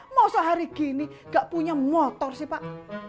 mosok hari gini gak punya motor sih pak